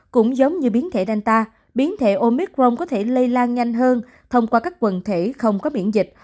cũng giống như biến thể danta biến thể omicron có thể lây lan nhanh hơn thông qua các quần thể không có miễn dịch